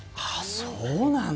そうなんだ。